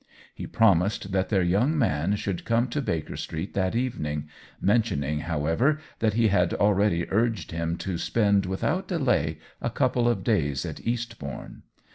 He promised that their young man should come to Baker Street that evening, mentioning, however, that he had already urged him to spend without delay a couple of days at Eastbourne.